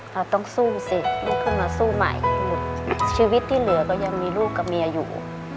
เราต้องสู้สิลุกขึ้นมาสู้ใหม่ชีวิตที่เหลือก็ยังมีลูกกับเมียอยู่